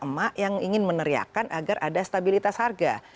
emak yang ingin meneriakan agar ada stabilitas harga